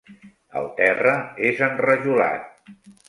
El terra és enrajolat.